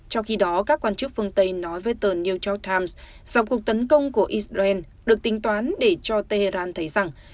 trong khi đó các quan chức phương tây nói với tờ new york times dòng cuộc tấn công của israel được tính toán để cho tehran thấy rằng